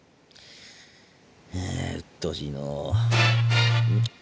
あうっとうしいのう。